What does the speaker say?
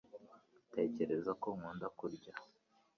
Ntekereza ko nkunda kurya